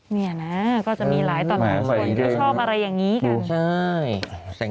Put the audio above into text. เนี่ยนะก็จะมีหลายต่อหลายคนที่ชอบอะไรอย่างนี้กัน